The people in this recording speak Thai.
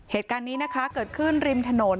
เหตุการณ์นี้นะคะเกิดขึ้นริมถนน